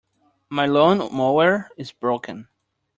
My lawn-mower is broken.